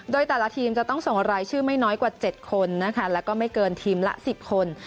โดยแต่ละทีมจะต้องส่งรายชื่อไม่น้อยกว่า๗คนนะคะแล้วก็ไม่เกินทีมละ๑๐คน